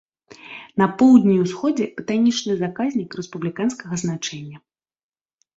На поўдні і ўсходзе батанічны заказнік рэспубліканскага значэння.